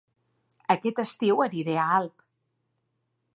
Aquest estiu aniré a Alp